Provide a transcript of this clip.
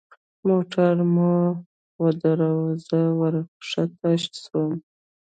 موټر مو ودراوه زه ورکښته سوم.